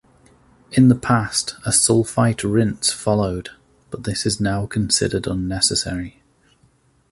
In the past, a sulfite rinse followed, but this is now considered unnecessary.